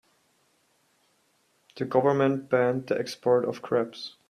The government banned the export of crabs.